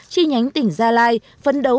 chi nhánh tỉnh gia lai phấn đấu